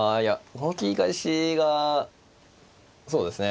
この切り返しがそうですね